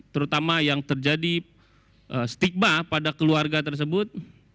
terutama yang terjadi stigma pada keluarga tersebut